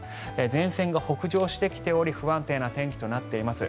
前線が北上してきており不安定な天気となっています。